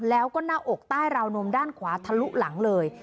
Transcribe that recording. แล้วก็หน้าอกใต้ราวนมด้านขวาทะลุหลังเลย